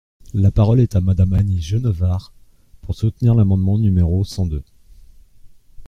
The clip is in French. La parole est à Madame Annie Genevard, pour soutenir l’amendement numéro cent deux.